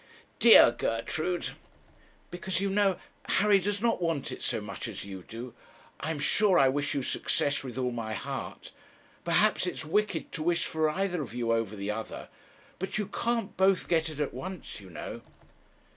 'Dear Gertrude!' 'Because, you know, Harry does not want it so much as you do. I am sure I wish you success with all my heart. Perhaps it's wicked to wish for either of you over the other; but you can't both get it at once, you know.'